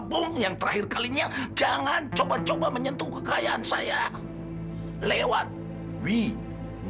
bong yang terakhir kalinya jangan coba coba menyentuh kekayaan saya lewat we